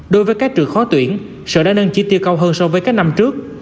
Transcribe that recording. đối với các trường khó tuyển sở đã nâng chỉ tiêu cao hơn so với các năm trước